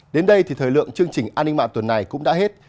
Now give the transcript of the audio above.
đến đây thì thời lượng chương trình an ninh mạng tuần này cũng đã hết